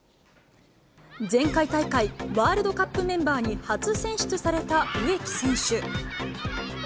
前回大会、ワールドカップメンバーに初選出された植木選手。